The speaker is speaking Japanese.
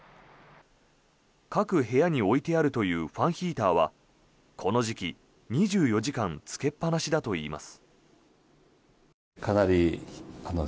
各部屋に置いてあるというファンヒーターはこの時期、２４時間つけっぱなしだといいます。